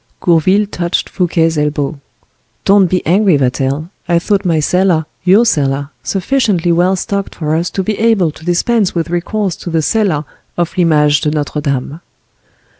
Gourville touched Fouquet's elbow. "Don't be angry, Vatel; I thought my cellar—your cellar—sufficiently well stocked for us to be able to dispense with recourse to the cellar of L'Image de Notre Dame."